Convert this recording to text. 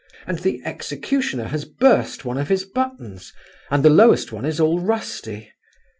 and the executioner has burst one of his buttons, and the lowest one is all rusty!